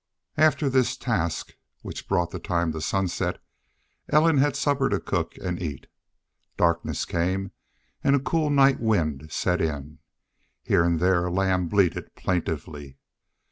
After this task, which brought the time to sunset, Ellen had supper to cook and eat. Darkness came, and a cool night wind set in. Here and there a lamb bleated plaintively.